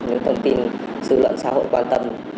những thông tin dự luận xã hội quan tâm